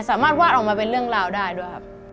สามารถวาดออกมาเป็นเรื่องราวได้ด้วยครับ